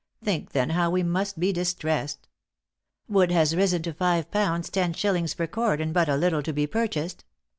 Think then how we must be distressed. Wood has risen to L5 10s. per cord, and but a little to be purchased.